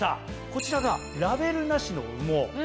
こちらがラベルなしの羽毛。